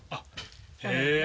へえ！